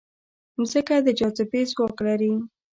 مځکه د جاذبې ځواک لري.